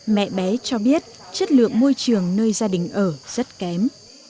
mẹ bé cho biết chất lượng môi trường nơi gia đình ở rất kém